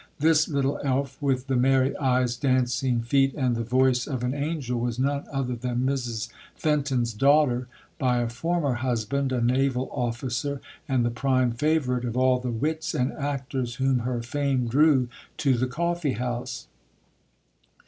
This little elf with the merry eyes, dancing feet, and the voice of an angel, was none other than Mrs Fenton's daughter by a former husband, a naval officer, and the prime favourite of all the wits and actors whom her fame drew to the coffee house.